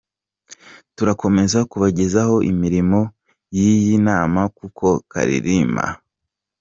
Turakomeza kubagezaho imirimo y’iyi nama, kuko Karirima A.